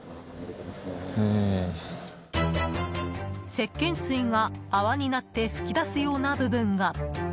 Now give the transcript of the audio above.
せっけん水が泡になって噴き出すような部分が。